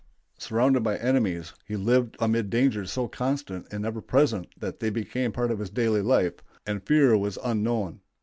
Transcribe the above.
Surrounded by enemies, he lived amid dangers so constant and ever present that they became part of his daily life, and fear was unknown.